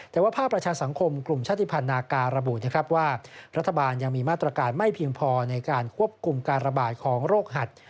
แต่ว่าภาคประชาสังคมกลุ่มชาติภัณฑ์นาการุนะครับว่ารัฐบาลยังมีมาตรการไม่เพียงพอในการควบคุมการระบาดของโรคหัด